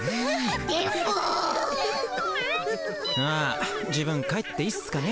あ自分帰っていいっすかね。